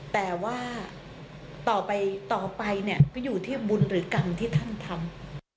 แต่ว่าต่อไปต่อไปเนี่ยก็อยู่ที่บุญหรือกรรมที่ท่านทำ